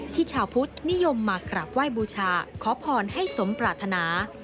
ชาวพุทธนิยมมากราบไหว้บูชาขอพรให้สมปรารถนา